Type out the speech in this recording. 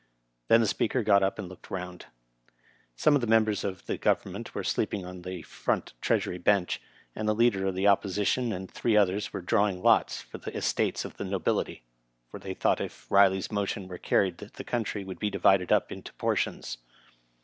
Then the Speaker got up and looked round. Some members of the Government were sleeping on the front Treasury bench, and the Leader of the Opposition and three others were drawing lots for the estates of the nobility, for they thought if Kiley's moti6n were carried the country would be divided up into portions.